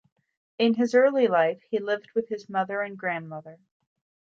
In his early life, he lived with his mother and grandmother.